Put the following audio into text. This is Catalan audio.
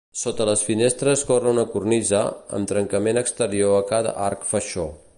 Sota les finestres corre una cornisa, amb trencament exterior a cada arc faixó.